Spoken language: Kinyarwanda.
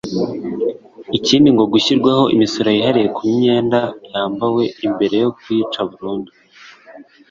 Ikindi ngo gushyirwaho imisoro yihariye ku myenda yambawe mbere yo kuyica burundu